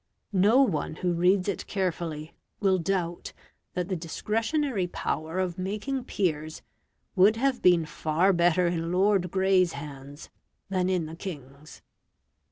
No one who reads it carefully will doubt that the discretionary power of making peers would have been far better in Lord Grey's hands than in the king's.